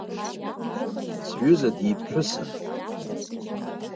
Сҩыза диԥҳәысын.